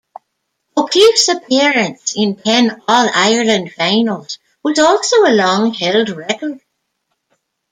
O'Keeffe's appearance in ten All-Ireland finals was also a long-held record.